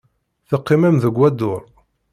Teqqimem deg wadur.